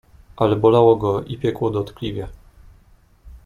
"Ale bolało go i piekło dotkliwie."